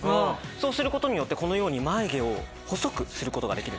そうすることによって眉毛を細くすることができるんです。